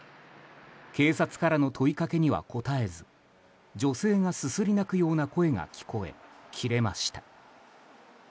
警察からの問いかけには答えず女性がすすり泣くような声が聞こえ切れました。